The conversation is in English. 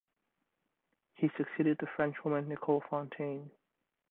He succeeded the Frenchwoman Nicole Fontaine.